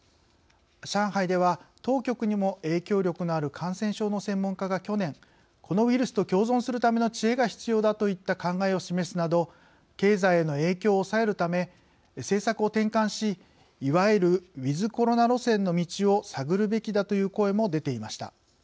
上海では、当局にも影響力のある感染症の専門家が去年、「このウイルスと共存するための知恵が必要だ」といった考えを示すなど経済への影響を抑えるため政策を転換し、いわゆるｗｉｔｈコロナ路線の道を探るべきだという声も出ていました。